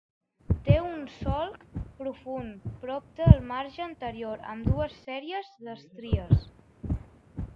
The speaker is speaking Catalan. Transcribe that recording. Té un solc profund prop del marge anterior amb dues sèries d'estries.